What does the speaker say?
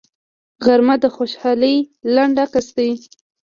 غرمه د خوشحالۍ لنډ عکس دی